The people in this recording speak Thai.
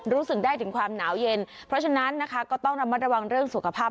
รู้สึกได้ถึงความหนาวเย็นเพราะฉะนั้นนะคะก็ต้องระมัดระวังเรื่องสุขภาพ